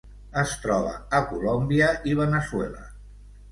Es troba a Colòmbia i Veneçuela.